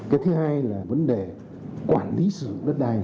cái thứ hai là vấn đề quản lý sử dụng đất đai